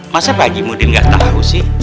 masa pakji muhyiddin gak tau sih